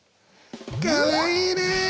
かわいいね！